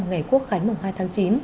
ngày quốc khánh hai tháng chín